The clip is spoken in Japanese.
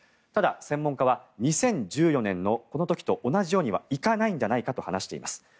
ただ、専門家は２０１４年のこの時と同じようにはいかないのではと話しています。